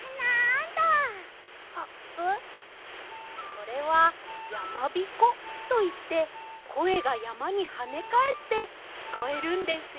これは「やまびこ」といってこえがやまにはねかえってきこえるんですよ。